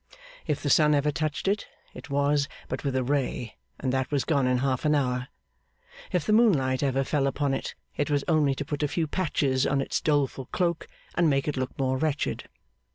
If the sun ever touched it, it was but with a ray, and that was gone in half an hour; if the moonlight ever fell upon it, it was only to put a few patches on its doleful cloak, and make it look more wretched.